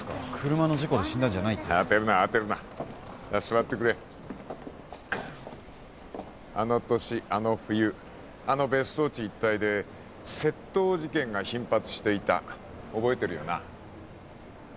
車の事故で死んだんじゃないって慌てるな慌てるな座ってくれあの年あの冬あの別荘地一帯で窃盗事件が頻発していた覚えてるよな？